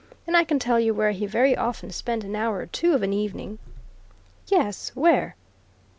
And I can tell you where he very often spent an hour or two of an evening." "Yes where?"